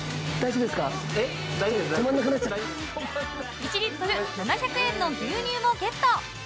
１リットル７００円の牛乳もゲット。